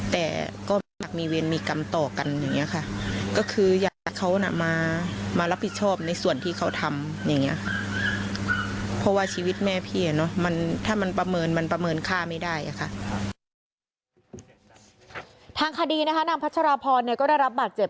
ทางคดีนะคะนางพัชราพรเนี่ยก็ได้รับบาดเจ็บ